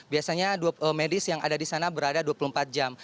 biasanya medis yang ada di sana berada dua puluh empat jam